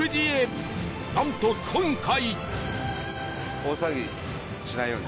なんと今回